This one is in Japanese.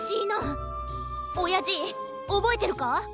おやじおぼえてるか？